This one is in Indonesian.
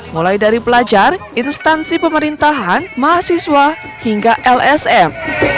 mulai dari pelajar instansi pemerintahan mahasiswa hingga lsm